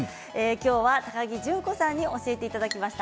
きょうは高城順子さんに教えていただきました。